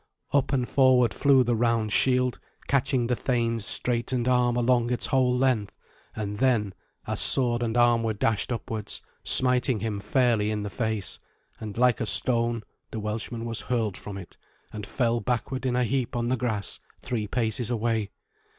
Up and forward flew the round shield, catching the thane's straightened arm along its whole length, and then, as sword and arm were dashed upwards, smiting him fairly in the face; and, like a stone, the Welshman was hurled from it, and fell backward in a heap on the grass three paces away.